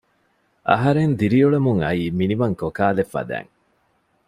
އަހަރެން ދިރިއުޅެމުން އައީ މިނިވަން ކޮކާލެއް ފަދައިން